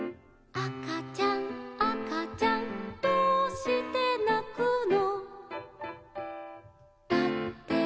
「あかちゃんあかちゃんどうしてだっこなの」